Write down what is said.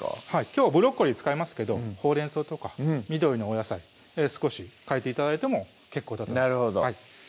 きょうブロッコリー使いますけどほうれんそうとか緑のお野菜少し変えて頂いても結構だと思います